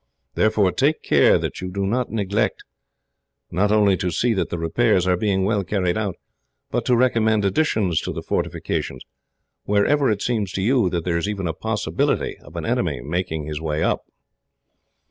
Therefore, take care that you do not neglect, not only to see that the repairs are being well carried out, but to recommend additions to the fortifications, wherever it seems to you that there is even a possibility of an enemy making his way up.